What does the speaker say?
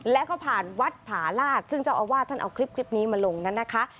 แล้วก็ผ่านวัดผาลาศซึ่งเจ้าอาวาสท่านเอาคลิปนี้มาลงนั้นนะคะ